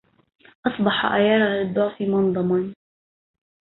أصبح أيرى للضعف منضما